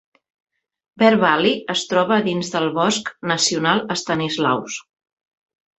Bear Valley es troba dins del Bosc Nacional Stanislaus.